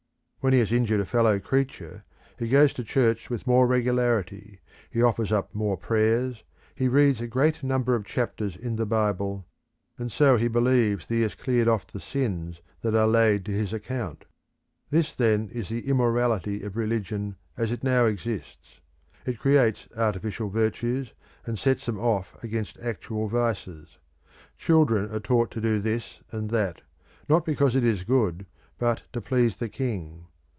When he has injured a fellow creature, he goes to church with more regularity, he offers up more prayers, he reads a great number of chapters in the Bible, and so he believes that he has cleared off the sins that are laid to his account. This, then, is the immorality of religion as it now exists. It creates artificial virtues and sets them off against actual vices. Children are taught to do this and that, not because it is good, but to please the king.